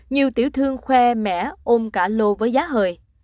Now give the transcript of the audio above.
nhiều tiểu thương khoe mẽ ôm cả lô với giá hời